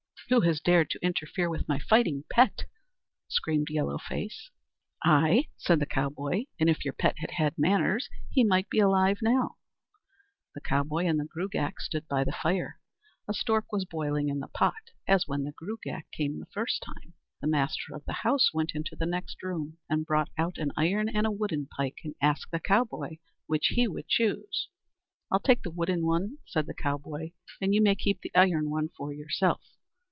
"Who has dared to interfere with my fighting pet?" screamed Yellow Face. "I," said the cowboy; "and if your pet had had manners, he might be alive now." The cowboy and the Gruagach stood by the fire. A stork was boiling in the pot, as when the Gruagach came the first time. The master of the house went into the next room and brought out an iron and a wooden pike, and asked the cowboy which would he choose. "I'll take the wooden one," said the cowboy; "and you may keep the iron one for yourself."